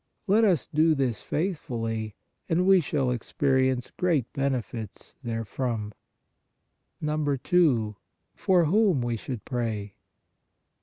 Let us do this faithfully and we shall experience great benefits therefrom. II. FOR WHOM WE SHOULD PRAY.